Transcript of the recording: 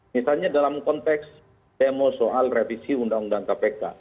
misalnya dalam konteks demo soal revisi undang undang kpk